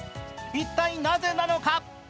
一体なぜなのか。